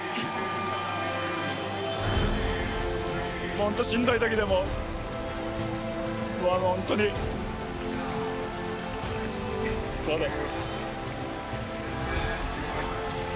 本当しんどい時でも本当にすみません。